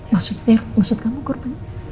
maksudnya maksud kamu korban